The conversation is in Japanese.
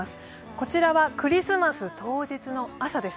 こちらはクリスマス当日の朝です。